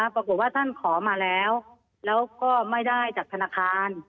ปรากฏว่าท่านขอมาแล้วแล้วก็ไม่ได้จากธนาคาร